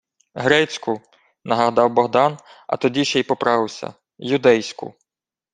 — Грецьку, — нагадав Богдан, а тоді ще й поправився: — Юдейську.